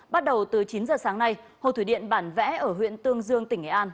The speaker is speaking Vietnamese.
bắt đầu từ chín giờ sáng nay hồ thủy điện bản vẽ ở huyện tương dương tỉnh nghệ an